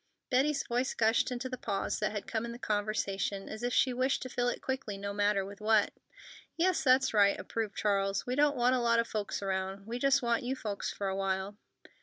Betty's voice gushed into the pause that had come in the conversation, as if she wished to fill it quickly, no matter with what. "Yes, that's right," approved Charles. "We don't want a lot of folks around. We just want you folks for a while."